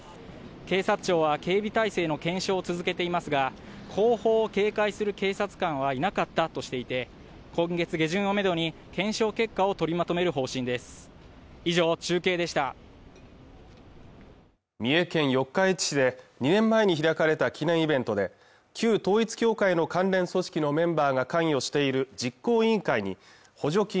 警察庁は警備体制の検証を続けていますが後方を警戒する警察官はいなかったとしていて今月下旬をめどに検証結果を取りまとめる方針です以上中継でした三重県四日市市で２年前に開かれた記念イベントで旧統一教会の関連組織のメンバーが関与している実行委員会に補助金